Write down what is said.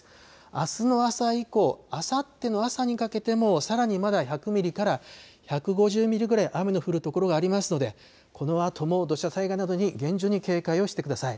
あすの朝以降、あさっての朝にかけてもさらにまだ１００ミリから１５０ミリぐらい雨の降る所がありますのでこのあとも土砂災害などに厳重に警戒をしてください。